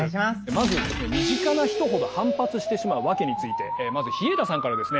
まず身近な人ほど反発してしまうワケについてまず日永田さんからですね